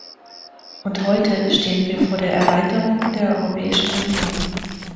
Und heute stehen wir vor der Erweiterung der Europäischen Union.